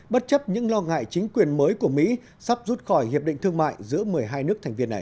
bất chấp những lo ngại chính quyền mới của mỹ sắp rút khỏi hiệp định thương mại giữa một mươi hai nước thành viên này